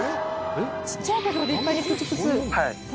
小っちゃいけど立派にプツプツ。